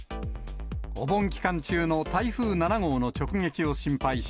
お盆期間中の台風７号の直撃を心配し、